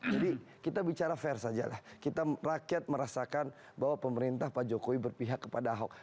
jadi kita bicara vers saja kita merasakan bahwa pemerintah pak jokowi berpihak kepada ahok